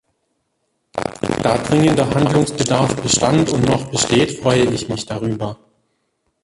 Da dringender Handlungsbedarf bestand und noch besteht, freue ich mich darüber.